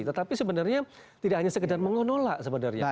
tetapi sebenarnya tidak hanya sekedar menolak sebenarnya